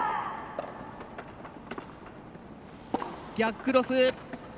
逆クロス！